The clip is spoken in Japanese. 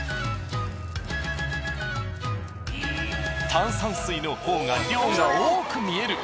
炭酸水のほうが量が多く見える。